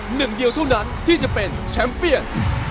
หนึ่งเดียวเท่านั้นที่จะเป็นแชมป์เปียน